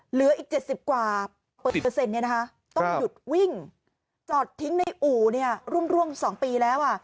เหลืออีก๗๐กว่าเปอร์เซ็นต์ต้องหยุดวิ่งจอดทิ้งในอู่ร่วม๒ปีแล้ว